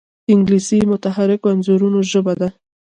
انګلیسي د متحرکو انځورونو ژبه ده